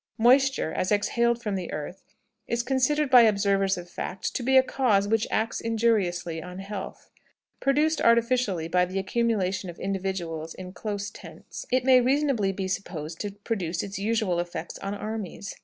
Moisture, as exhaled from the earth, is considered by observers of fact to be a cause which acts injuriously on health. Produced artificially by the accumulation of individuals in close tents, it may reasonably be supposed to produce its usual effects on armies.